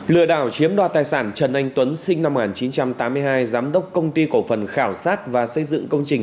lừa đảo chiếm đoạt tài sản trần anh tuấn sinh năm một nghìn chín trăm tám mươi hai giám đốc công ty cổ phần khảo sát và xây dựng công trình